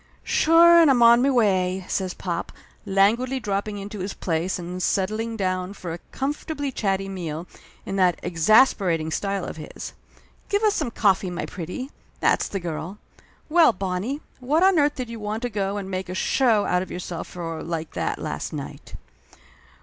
"Sure and I'm on me way!" says pop, languidly dropping into his place and settling down for a com fortably chatty meal, in that exasperating style of his. "Give us some coffee, my pretty! That's the girl! Well, Bonnie, what on earth did you want to go and make a show out of yourself for like that, last night?"